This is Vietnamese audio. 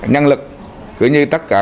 nhân lực cửa như tất cả